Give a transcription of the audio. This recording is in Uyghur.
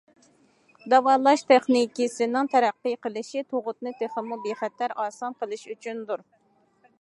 داۋالاش تېخنىكىسىنىڭ تەرەققىي قىلىشى تۇغۇتنى تېخىمۇ بىخەتەر، ئاسان قىلىش ئۈچۈندۇر.